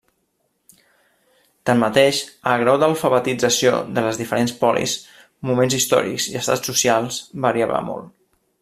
Tanmateix, el grau d’alfabetització de les diferents polis, moments històrics i estrats socials variava molt.